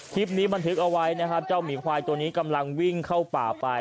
บันทึกเอาไว้นะครับเจ้าหมีควายตัวนี้กำลังวิ่งเข้าป่าไป